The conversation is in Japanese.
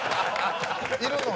いるのに。